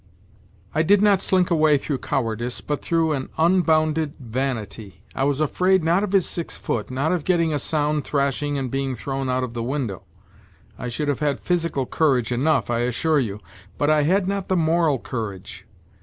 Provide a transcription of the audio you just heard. I did not slink away through cowardice, but through an unbounded vanity. I was afraid not of his six foot, not of getting a sound thrashing and being thrown out of the window ; I should have had physical courage enough, I assure you; but I had not the moral courage.